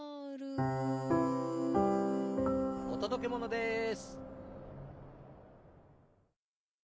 おとどけものです。